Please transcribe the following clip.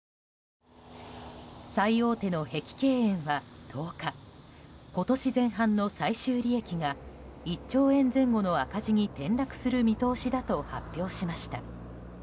最大手の碧桂園は１０日今年前半の最終利益が１兆円前後の赤字に転落する見通しだと発表しました。